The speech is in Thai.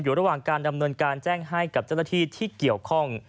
ระหว่างการดำเนินการแจ้งให้กับเจ้าหน้าที่ที่เกี่ยวข้อง